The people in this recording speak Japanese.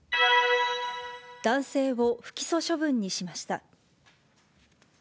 男性を不起訴処分にしました。